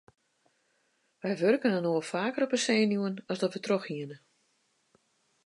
Wy wurken inoar faker op 'e senuwen as dat wy trochhiene.